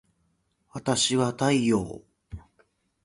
わたしは太陽